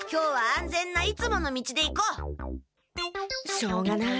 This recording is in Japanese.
しょうがない。